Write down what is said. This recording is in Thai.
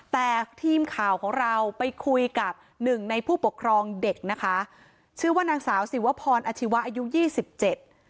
แต่ทีมข่าวของเราไปคุยกับหนึ่งในผู้ปกครองเด็กนะคะชื่อว่านางสาวสิวพรอาชีวะอายุยี่สิบเจ็ด